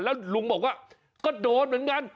แล้วลุงบอกว่าก็โดนเหมือนกัน